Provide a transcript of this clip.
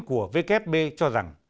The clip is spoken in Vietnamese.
của wfp cho rằng